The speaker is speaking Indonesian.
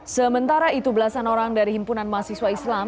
sementara itu belasan orang dari himpunan mahasiswa islam